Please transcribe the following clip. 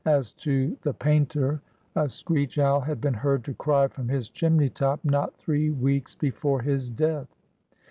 As to the painter, a screech owl had been heard to cry from his chimney top, not three weeks before his death.